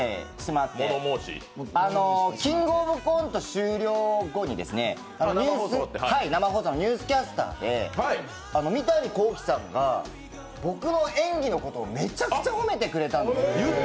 「キングオブコント」終了後に生放送の「ニュースキャスター」で三谷幸喜さんが僕の演技のことをめちゃくちゃ褒めてくれたんです。